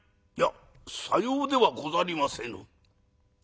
「いやさようではござりませぬ。